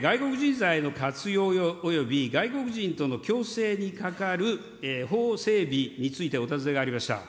外国人材の活用及び外国人との共生にかかる法整備についてお尋ねがありました。